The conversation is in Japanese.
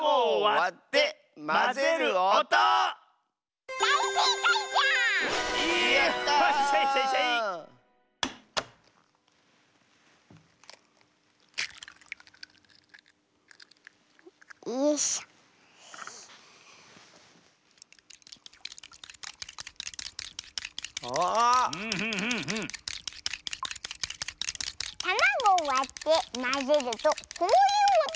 たまごをわってまぜるとこういうおとがするのじゃ。